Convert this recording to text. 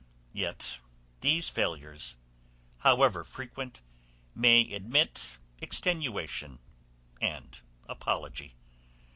Yet these failures, however frequent, may admit extenuation and apology.